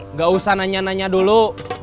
nggak usah nanya nanya dulu